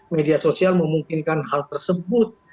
media sosial memungkinkan hal tersebut